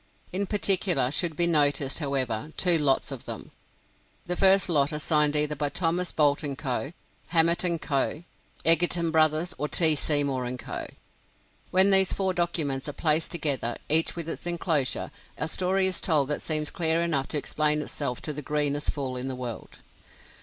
In particular, should be noticed, however, two lots of them. The first lot are signed either by Thomas Boult & Co., Hammett & Co., Egerton Brothers, or T. Seymour & Co. When these four documents are placed together, each with its inclosure, a story is told that seems clear enough to explain itself to the greenest fool in the world.